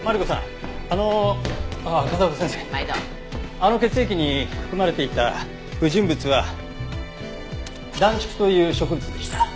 あの血液に含まれていた不純物は暖竹という植物でした。